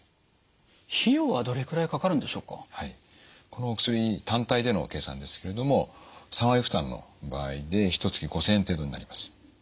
この薬単体での計算ですけれども３割負担の場合でひとつき５，０００円程度になります。